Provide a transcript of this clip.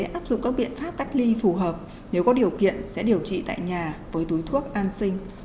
áp dụng các biện pháp cách ly phù hợp nếu có điều kiện sẽ điều trị tại nhà với túi thuốc an sinh